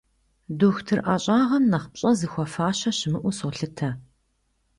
Дохутыр ӏэщӏагъэм нэхъ пщӏэ зыхуэфащэ щымыӏэу солъытэ.